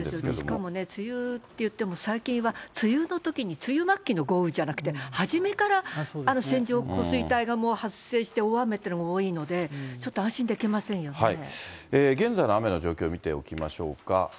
しかもね、梅雨といっても最近は梅雨のときに梅雨末期の豪雨じゃなくて、初めから線状降水帯が発生して大雨というのが多いので、ちょっと現在の雨の状況見ておきましょうか。